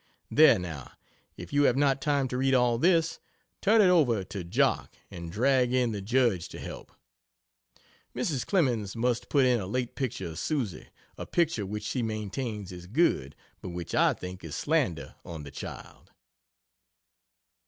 There now if you have not time to read all this, turn it over to "Jock" and drag in the judge to help. Mrs. Clemens must put in a late picture of Susie a picture which she maintains is good, but which I think is slander on the child.